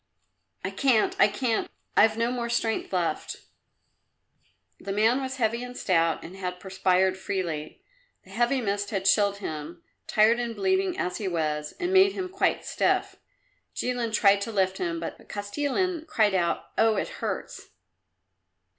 "I can't, I can't! I've no more strength left." The man was heavy and stout and had perspired freely. The heavy mist had chilled him, tired and bleeding as he was, and made him quite stiff. Jilin tried to lift him, but Kostilin cried out, "Oh, it hurts!"